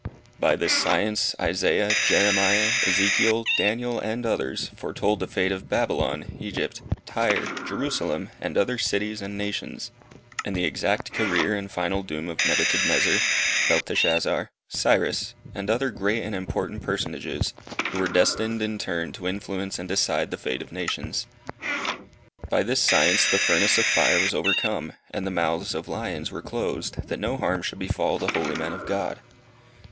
By this science Isaiah, Jeremiah, Ezekiel, Daniel, and others, foretold the fate of Babylon, Egypt, Tyre, Jerusalem, and other cities and nations; and the exact career and final doom of Nebuchadnezzar, Belteshazzar, Cyrus, and other great and important personages, who were destined in turn to influence and decide the fate of nations. By this science the furnace of fire was overcome, and the months of lions were closed, that no harm should befall the holy men of God.